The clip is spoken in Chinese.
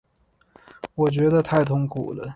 我觉得太痛苦了